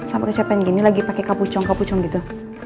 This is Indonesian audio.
aku udah capek begini lagi pake kapucong kapucong gitu